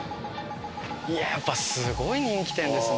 いややっぱすごい人気店ですね。